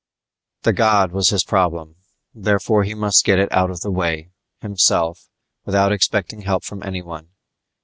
The god was his problem; therefore he must get it out of the way, himself, without expecting help from anyone.